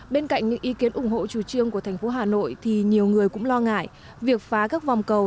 bên cạnh những ý kiến ủng hộ chủ trương của thành phố hà nội thì nhiều người cũng lo ngại việc phá các vòng cầu